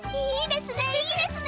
いいですね！